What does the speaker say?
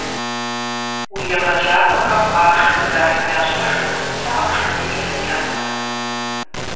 Уи егъэджакӀуэхэм ахъшэр зыдахьын ящӀэжкъым, сэ ахъшэ делэ сиӀэкъым.